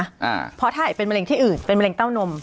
อ่าเพราะถ้าเป็นมะเร็งที่อื่นเป็นมะเร็งเต้านม